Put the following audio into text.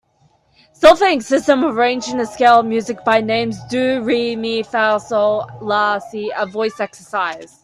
Solfaing system of arranging the scale of music by the names do, re, mi, fa, sol, la, si a voice exercise.